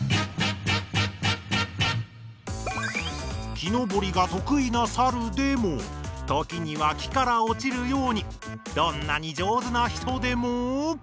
木のぼりが得意なサルでもときには木から落ちるようにどんなに上手な人でも？